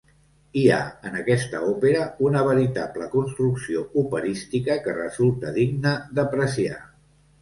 Hi ha en aquesta òpera una veritable construcció operística que resulta digna d'apreciar.